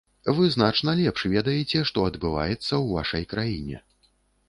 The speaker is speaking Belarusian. Вы значна лепш ведаеце, што адбываецца ў вашай краіне.